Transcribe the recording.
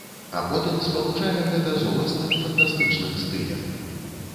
А потым спалучае гэта з уласным, фантастычным стылем.